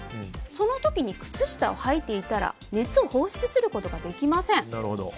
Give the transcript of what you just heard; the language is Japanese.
その時に靴下をはいていたら熱を放出することができません。